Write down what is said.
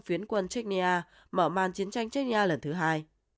phiến quân chechnya mở màn chiến tranh chechnya lần thứ hai